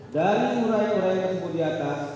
dari murai murai yang tersebut di atas